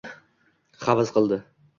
havas qildi.